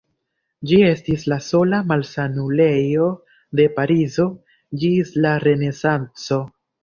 Ĝi estis la sola malsanulejo de Parizo ĝis la Renesanco.